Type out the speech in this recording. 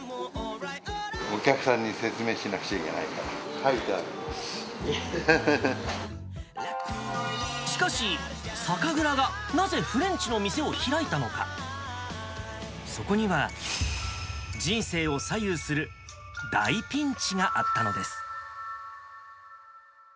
お客さんに説明しなきゃいけしかし、酒蔵がなぜフレンチの店を開いたのか、そこには人生を左右する大ピンチがあったのです。